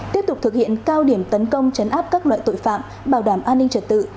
tiếp tục thực hiện cao điểm tấn công chấn áp các loại tội phạm bảo đảm an ninh trật tự